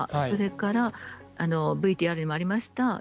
それからＶＴＲにもありました